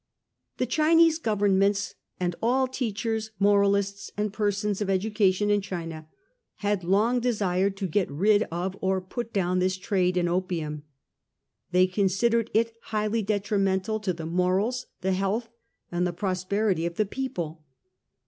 The Chinese governments, and all teachers, moralists, and persons of education in China, had long desired to get rid of or put down this trade in opium. They considered it highly de trimental to the morals, the health and the prosperity of the people.